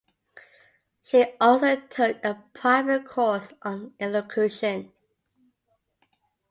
She also took a private course on elocution.